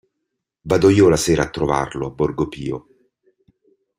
Vado io la sera a trovarlo a Borgo Pio.